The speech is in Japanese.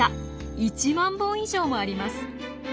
１万本以上もあります！